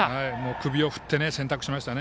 首を振って選択しましたね。